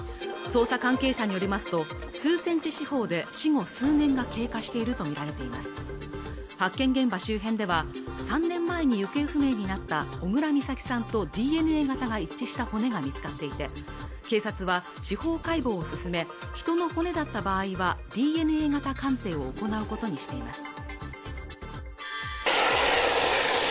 捜査関係者によりますと数センチ四方で死後数年が経過していると見られています発見現場周辺では３年前に行方不明になった小倉美咲さんとＤＮＡ型が一致した骨が見つかっていて警察は司法解剖を進め人の骨だった場合はＤＮＡ型鑑定を行うことにしています